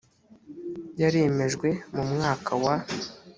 yaremejwe mu mwaka wa